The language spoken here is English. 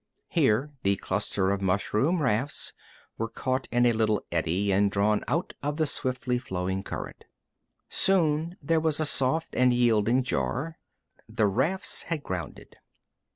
Here the cluster of mushroom rafts were caught in a little eddy and drawn out of the swiftly flowing current. Soon there was a soft and yielding jar. The rafts had grounded.